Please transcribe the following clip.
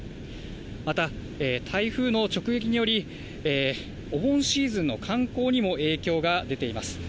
また、台風の直撃により、お盆シーズンの観光にも影響が出ています。